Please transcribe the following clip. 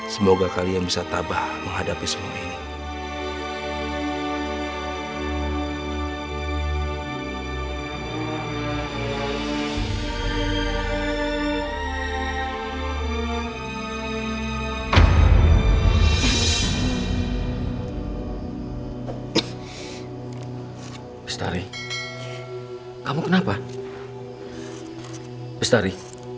semoga kalian bisa tabah menghadapi semua ini